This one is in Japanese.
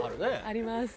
あります。